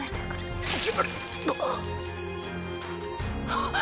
はっ！